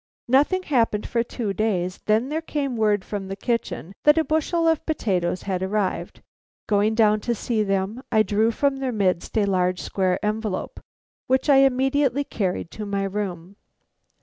Nothing happened for two days, then there came word from the kitchen that a bushel of potatoes had arrived. Going down to see them, I drew from their midst a large square envelope, which I immediately carried to my room.